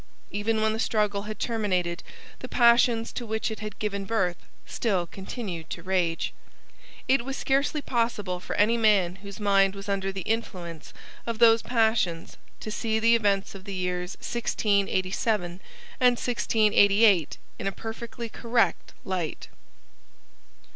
Even when the struggle had terminated, the passions to which it had given birth still continued to rage. It was scarcely possible for any man whose mind was under the influence of those passions to see the events of the years 1687 and 1688 in a perfectly correct light.